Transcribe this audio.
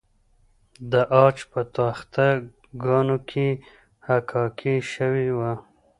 د عاج په تخته ګانو کې حکاکي شوې وه